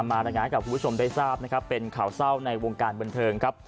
รายงานให้กับคุณผู้ชมได้ทราบนะครับเป็นข่าวเศร้าในวงการบันเทิงครับ